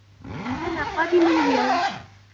أنا قادمٌ اليوم